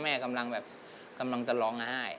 แม่กำลังแบบกำลังจะร้องไห้